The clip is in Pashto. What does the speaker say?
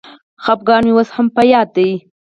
خپګان مي اوس هم په یاد دی.